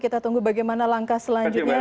kita tunggu bagaimana langkah selanjutnya